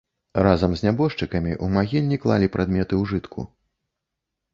Разам з нябожчыкамі ў магільні клалі прадметы ўжытку.